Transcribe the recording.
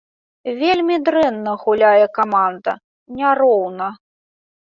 Вельмі дрэнна гуляе каманда, няроўна.